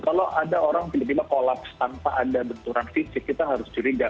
kalau ada orang tiba tiba kolaps tanpa ada benturan fisik kita harus curiga